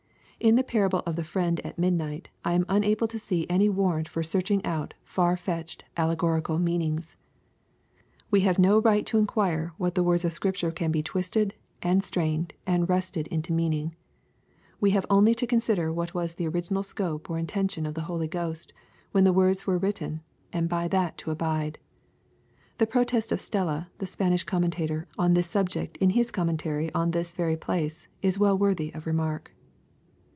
In the parable of the Friend at midnight I am unable to see any warrant for searching out far fetched alle gorical meanings. We have no right to enquire what the words of Scripture can be twisted, and strained, and wrested into mean ing. We have only to consider what was the original scope or intention of the Holy Ghost when the words were written, and by that to abide. The protest of Stella, the Spanish commenta tor, on this subject in his commentary on this very place, is wcU worthy of remark.